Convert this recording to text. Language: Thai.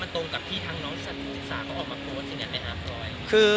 มันตรงกับที่ทั้งน้องที่สรรคุณศาสตร์ก็ออกมาโพสต์สินัยใหม่หาฟลอย